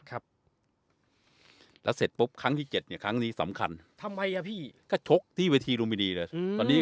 ครับแล้วเสร็จปุ๊บครั้งที่เจ็ดเนี่ยครั้งนี้สำคัญทำไมอ่ะพี่ก็ชกที่เวทีรุมินีเลยอืมตอนนี้